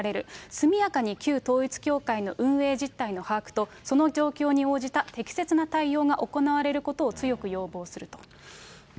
速やかに旧統一教会の運営実態の把握と、その状況に応じた適切な対応が行われることを強く要望すると。